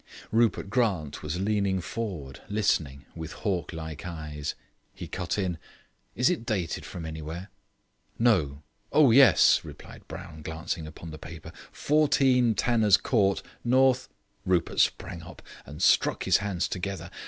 Rupert Grant was leaning forward listening with hawk like eyes. He cut in: "Is it dated from anywhere?" "No oh, yes!" replied Brown, glancing upon the paper; "14 Tanner's Court, North " Rupert sprang up and struck his hands together.